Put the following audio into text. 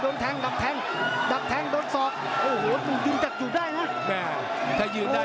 โดนแทงดักแทงดักแทงโดนศอกโอ้โหยิงดักอยู่ได้นะแม่ถ้ายืนได้